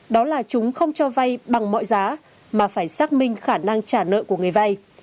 đó là chúng không cho vay bằng mọi giá mà phải xác minh khả năng trả nợ của người vay